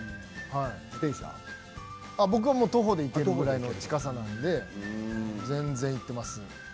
徒歩で行けるぐらいの近さなので全然行っています。